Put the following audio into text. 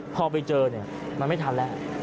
พอไปเจอมันไม่ทันแล้ว